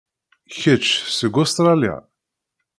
Kečč seg Ustṛalya?